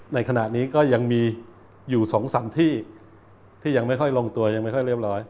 ในขณะนี้ก็ยังมีอยู่๒๓ที่ที่ยังไม่ค่อยลงตัวยังไม่ค่อยเรียบร้อย